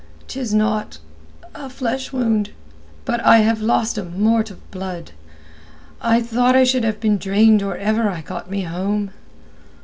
"'Tis naught—a flesh wound; but I have lost a mort of blood. I thought I should have been drained or ever I got me home."